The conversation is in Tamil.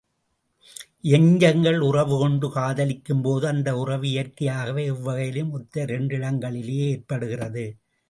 நெஞ்சங்கள் உறவுகொண்டு காதலிக்கும்போது அந்த உறவு இயற்கையாகவே எவ்வகையிலும் ஒத்த இரண்டிடங்களிலேயே ஏற்படுகிறது.